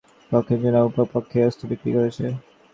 পশ্চিমারা উভয় পক্ষেই অস্ত্র বিক্রি করেছে।